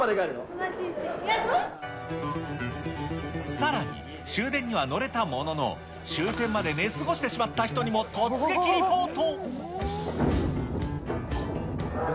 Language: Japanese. さらに、終電には乗れたものの、終点まで寝過ごしてしまった人にも突撃リポート。